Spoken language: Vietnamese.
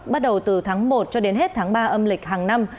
bắt đầu từ tháng một cho đến hết tháng ba âm lịch hàng năm